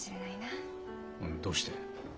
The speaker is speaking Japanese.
どうして？